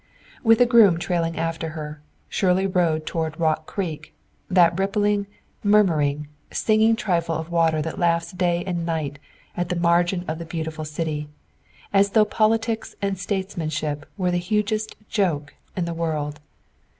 With a groom trailing after her, Shirley rode toward Rock Creek, that rippling, murmuring, singing trifle of water that laughs day and night at the margin of the beautiful city, as though politics and statesmanship were the hugest joke in the world.